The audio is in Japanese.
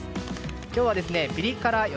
今日はピリ辛よ